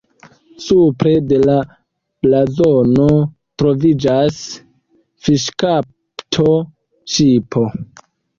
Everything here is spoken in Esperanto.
Supre de la blazono troviĝas fiŝkapto-ŝipo.